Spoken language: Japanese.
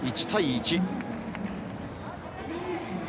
１対１。